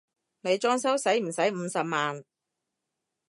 你裝修駛唔駛五十萬？